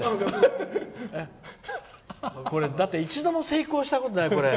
だって一度も成功したことない。